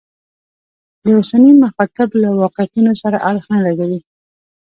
د اوسني مخاطب له واقعیتونو سره اړخ نه لګوي.